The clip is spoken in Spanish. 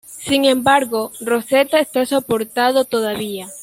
Sin embargo, Rosetta está soportado todavía.